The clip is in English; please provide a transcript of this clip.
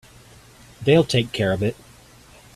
They'll take care of it.